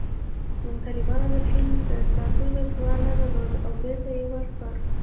طالبانو د فیل د ساتلو توان نه درلود او بېرته یې ورکړ